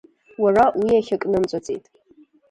Уара уиахьак нымҵәаӡеит!